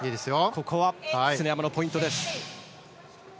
ここは常山のポイントです。